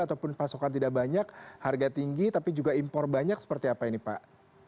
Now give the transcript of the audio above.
ataupun pasokan tidak banyak harga tinggi tapi juga impor banyak seperti apa ini pak